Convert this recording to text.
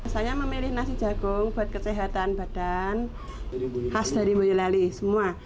saya memilih nasi jagung buat kesehatan badan khas dari boyolali semua